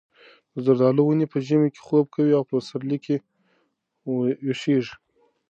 د زردالو ونې په ژمي کې خوب کوي او په پسرلي کې ویښېږي.